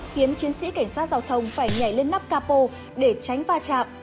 khiến chiến sĩ cảnh sát giao thông phải nhảy lên nắp capo để tránh va chạm